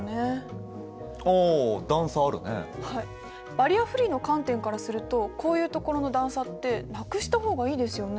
バリアフリーの観点からするとこういう所の段差ってなくした方がいいですよね。